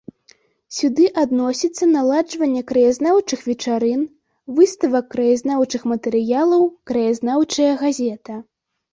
Сюды адносіцца наладжванне краязнаўчых вечарын, выставак краязнаўчых матэрыялаў, краязнаўчая газета.